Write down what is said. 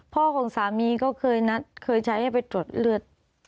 ของสามีก็เคยนัดเคยใช้ให้ไปตรวจเลือด